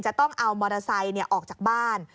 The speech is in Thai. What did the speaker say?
จะต้องเอามอเตอร์ไซค์ออกจากบ้าน